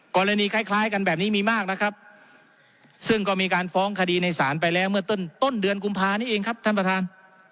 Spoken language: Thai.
กรณีคล้ายกันแบบนี้มีมากนะครับซึ่งก็มีการฟ้องคดีในศาลไปแล้วเมื่อต้นต้นเดือนกุมภานี้เองครับท่านประธาน